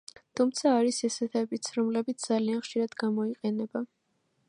თუმცა არის ისეთებიც, რომლებიც ძალიან ხშირად გამოიყენება.